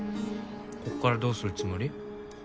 こっからどうするつもり？